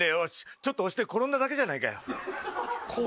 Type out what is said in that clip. ちょっと押して転んだだけじゃないかよ。